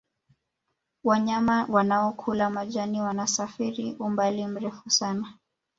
wanyama wanaokula majani wanasafiri umbali mrefu sana